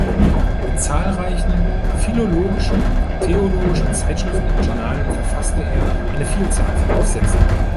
In zahlreichen philologischen, theologischen Zeitschriften und Journalen verfasste er eine Vielzahl von Aufsätzen.